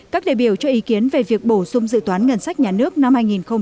các đại biểu cho ý kiến về việc bổ sung dự toán ngân sách nhà nước năm hai nghìn một mươi chín